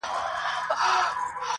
پر ذهن مي را اوري ستا ګلاب ګلاب یادونه,